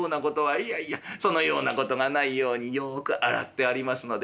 「いやいやそのようなことがないようによく洗ってありますので」。